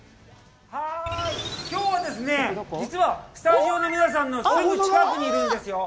きょうはですね、実はスタジオの皆さんのすぐ近くにいるんですよ。